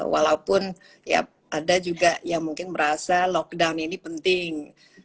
walaupun ya ada juga yang mungkin merasa lockdown ini penting